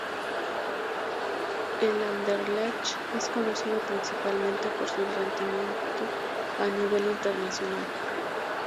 El Anderlecht es conocido principalmente por su rendimiento a nivel internacional.